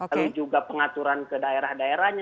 lalu juga pengaturan ke daerah daerahnya